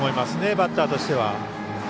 バッターとしては。